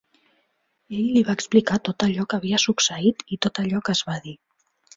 Ell li va explicar tot allò que havia succeït i tot allò que es va dir.